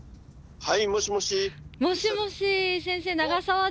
はい。